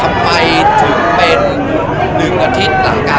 มุมการก็แจ้งแล้วเข้ากลับมานะครับ